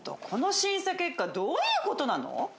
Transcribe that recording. この審査結果どういうことなの？